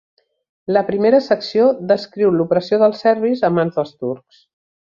La primera secció descriu l'opressió dels serbis a mans dels turcs.